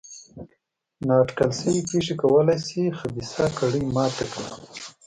نا اټکل شوې پېښې کولای شي خبیثه کړۍ ماته کړي.